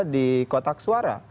di kotak suara